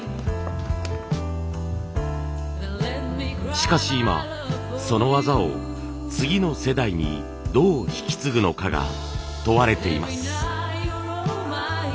しかし今その技を次の世代にどう引き継ぐのかが問われています。